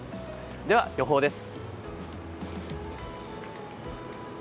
では、予報です。